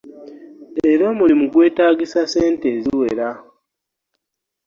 Era omulimu gwetaagisa ssente eziwera.